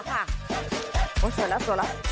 ค่ะค่ะโอ๊ยสวยแล้วสวยแล้ว